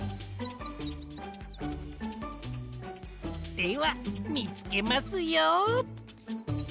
ではみつけますよ！